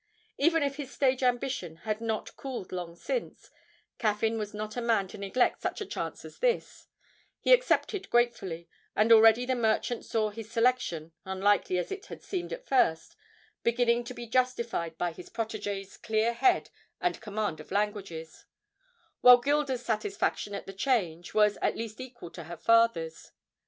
Even if his stage ambition had not cooled long since, Caffyn was not the man to neglect such a chance as this; he accepted gratefully, and already the merchant saw his selection, unlikely as it had seemed at first, beginning to be justified by his protégé's clear head and command of languages, while Gilda's satisfaction at the change was at least equal to her father's.